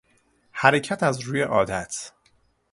حرکت از روی عادت